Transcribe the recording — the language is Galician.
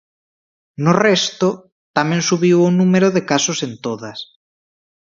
No resto, tamén subiu o número de casos en todas.